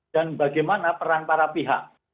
dan bagaimana peran para pihak